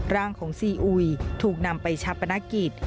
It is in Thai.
ร่างของซีอุยถูกนำไปชาปนกิจ